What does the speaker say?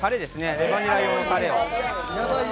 レバニラ用のタレを。